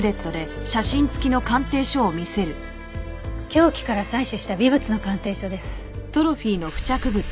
凶器から採取した微物の鑑定書です。